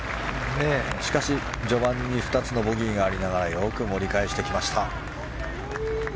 しかし、序盤に２つのボギーがありながらよく盛り返してきました。